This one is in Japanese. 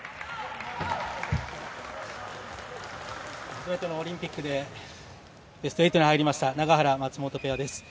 初めてのオリンピックでベスト８に入りました永原、松本ペアです。